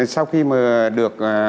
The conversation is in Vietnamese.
sau khi được